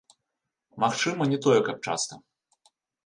Магчыма, не тое каб часта.